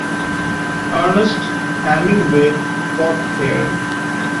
Ernest Hemingway fought here.